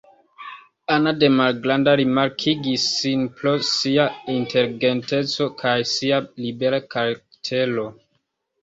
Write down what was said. Ana de malgranda rimarkigis sin pro sia inteligenteco kaj sia libera karaktero.